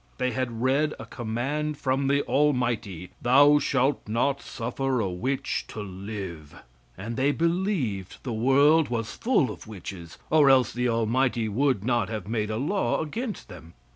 They had read a command from the Almighty, "Thou shalt not suffer a witch to live," and they believed the world was full of witches, or else the Almighty Would not have made a law against them.